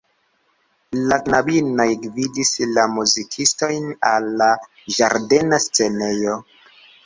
La knabinoj gvidis la muzikistojn al la ĝardena scenejo.